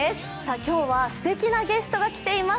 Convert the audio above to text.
今日はすてきなゲストが来ています。